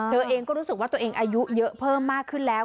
เธอเองก็รู้สึกว่าตัวเองอายุเยอะเพิ่มมากขึ้นแล้ว